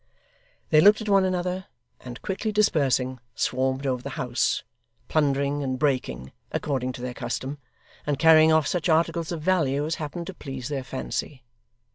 They looked at one another, and quickly dispersing, swarmed over the house, plundering and breaking, according to their custom, and carrying off such articles of value as happened to please their fancy.